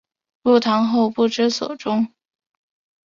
入唐后不知所终。